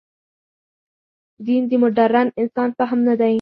دین د مډرن انسان فهم نه دی.